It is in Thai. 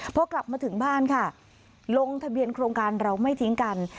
พอกลับมาถึงบ้านค่ะลงทะเบียนโครงการเราไม่ทิ้งกัน